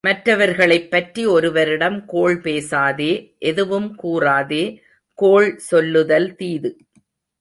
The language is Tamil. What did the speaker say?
மற்றவர்களைப்பற்றி ஒருவரிடம் கோள் பேசாதே எதுவும் கூறாதே கோள் சொல்லுதல் தீது.